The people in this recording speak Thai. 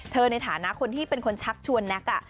ในฐานะคนที่เป็นคนชักชวนแน็ก